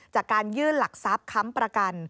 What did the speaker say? จากการยื่นหลักทรัพย์ค้ำประกัน